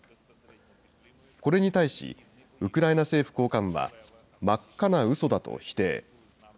これに対し、ウクライナ政府高官は、真っ赤なうそだと否定。